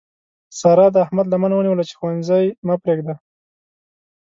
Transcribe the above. سارا د احمد لمنه ونیوله چې ښوونځی مه پرېږده.